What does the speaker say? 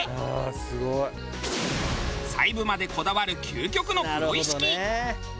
細部までこだわる究極のプロ意識。